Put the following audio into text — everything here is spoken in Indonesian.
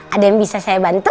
ada yang bisa saya bantu